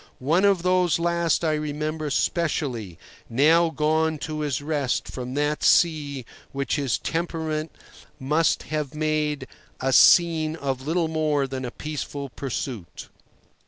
One of those last I remember specially, now gone to his rest from that sea which his temperament must have made a scene of little more than a peaceful pursuit.